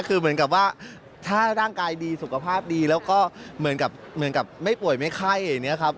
คือเหมือนกับว่าถ้าร่างกายดีสุขภาพดีแล้วก็เหมือนกับเหมือนกับไม่ป่วยไม่ไข้อย่างนี้ครับ